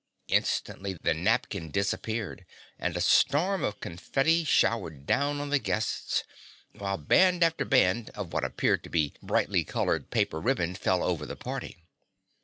Instantly the napkin disappeared and a storm of confetti showered down on the guests, while band after band of what appeared to be brightly colored paper ribbon fell over the party.